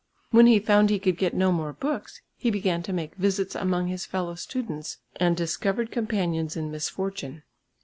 When he found he could get no more books, he began to make visits among his fellow students and discovered companions in misfortune.